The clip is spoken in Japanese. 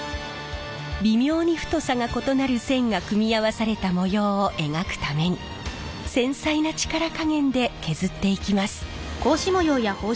微妙に太さが異なる線が組み合わされた模様を描くために繊細な力加減で削っていきます。